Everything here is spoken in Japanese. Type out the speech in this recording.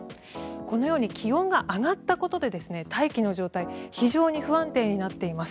このように気温が上がったことで大気の状態非常に不安定になっています。